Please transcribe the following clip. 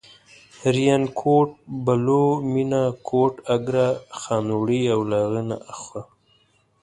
ریانکوټ، بلو، مېنه، کوټ، اګره، خانوړی او له هغې نه اخوا.